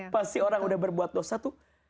pasti orang yang sudah berbuat dosa tuh